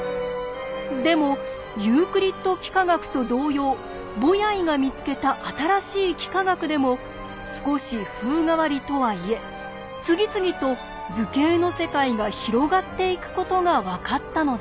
でもユークリッド幾何学と同様ボヤイが見つけた新しい幾何学でも少し風変わりとはいえ次々と図形の世界が広がっていくことが分かったのです。